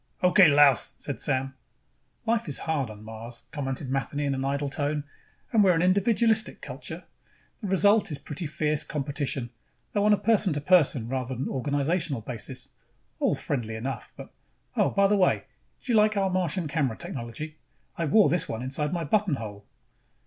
"Okay, louse," said Sam. "Life is hard on Mars," commented Matheny in an idle tone, "and we're an individualistic culture. The result is pretty fierce competition, though on a person to person rather than organizational basis. All friendly enough, but Oh, by the way, how do you like our Martian camera technology? I wore this one inside my buttonhole."